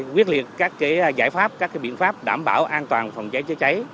quyết liệt các giải pháp các biện pháp đảm bảo an toàn phòng trái chữa trái